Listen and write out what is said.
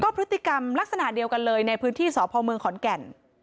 พฤติกรรมลักษณะเดียวกันเลยในพื้นที่สพเมืองขอนแก่น